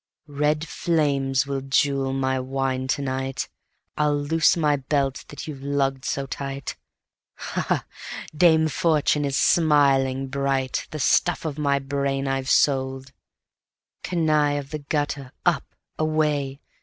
"Red flames will jewel my wine to night; I'll loose my belt that you've lugged so tight; Ha! Ha! Dame Fortune is smiling bright; The stuff of my brain I've sold; Canaille of the gutter, up! Away!